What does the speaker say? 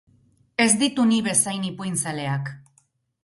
Ez ditun hi bezain ipuinzaleak.